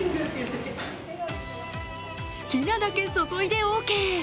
好きなだけ注いでオーケー。